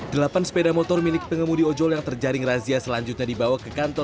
delapan sepeda motor milik pengemudi ojol yang terjaring razia selanjutnya dibawa ke kantor